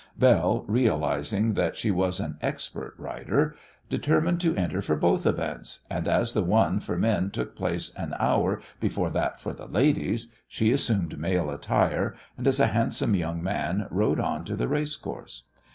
Belle, realising that she was an expert rider, determined to enter for both events, and as the one for men took place an hour before that for the ladies, she assumed male attire, and as a handsome young man rode on to the racecourse.